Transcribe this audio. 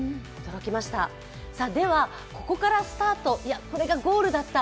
ここからスタート、これがゴールだった